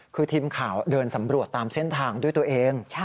คือทีมข่าวเดินสำรวจตามเส้นทางด้วยตัวเอง